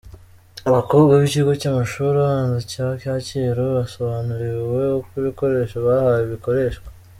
Abakobwa b'ikigo cy'amashuri abanza cya Kacyiru basobanuriwe uko ibikoresho bahawe bikoreshwa.